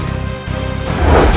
mereka mencari mati